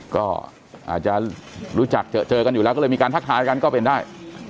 ก็อาจจะรู้จักเจอกันอยู่แล้วก็เลยมีการทักทายกันก็เป็นได้